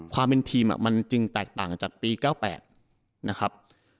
ความเป็นทีมมันจึงแตกต่างจากปี๙๘นะครับ